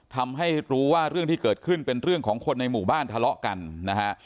ทำให้รู้ว่าเรื่องที่เกิดขึ้นเป็นเรื่องของคนในหมู่บ้านทะเลาะกันนะฮะ